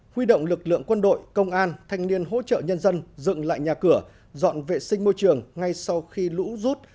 huy động lực lượng quân đội công an thanh niên hỗ trợ nhân dân dựng lại nhà cửa dọn vệ sinh môi trường ngay sau khi lũ rút